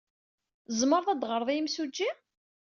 Tzemreḍ ad d-teɣreḍ i yemsujji?